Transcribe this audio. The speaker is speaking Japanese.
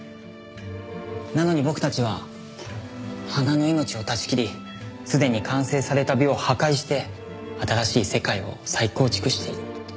なのに僕たちは花の命を断ち切りすでに完成された美を破壊して新しい世界を再構築している。